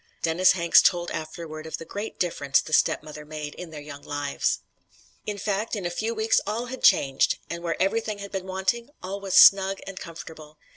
Dennis Hanks told afterward of the great difference the stepmother made in their young lives: "In fact, in a few weeks all had changed; and where everything had been wanting, all was snug and comfortable.